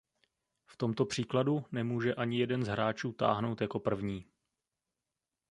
V tomto příkladu nemůže ani jeden z hráčů táhnout jako první.